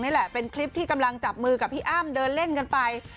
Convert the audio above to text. นี่แหละเป็นคลิปที่กำลังจับมือกับพี่อ้ำเดินเล่นกันไป